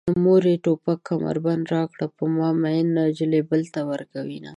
مورې توپک کمربند راکړه په ما مينه نجلۍ بل ته ورکوينه